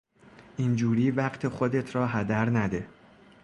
این جوری وقت خودت را هدر نده!